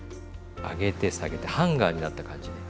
上げて下げてハンガーになった感じね。